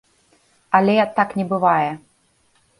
Але так не бывае.